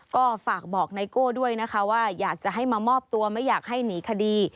ก็ฝากบอกไนโก้ด้วยนะคะว่าอยากจะให้มามอบตัวไม่อยากให้หนีคดี